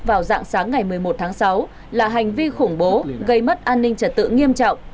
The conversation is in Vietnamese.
vào dạng sáng ngày một mươi một tháng sáu là hành vi khủng bố gây mất an ninh trật tự nghiêm trọng